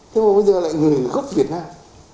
thế mà bây giờ lại người gốc việt nam